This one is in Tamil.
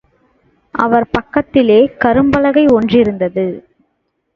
அவர் பக்கத்திலே கரும்பலகை ஒன்றிருத்தது.